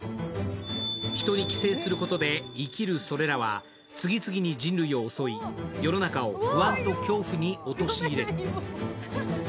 人に寄生することで生きるそれらは次々に人類を襲い、世の中を不安と恐怖に陥れる。